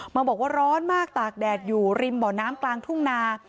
มาบอกว่าร้อนมากตากแดดอยู่ริมบ่อน้ำกลางทุ่งนา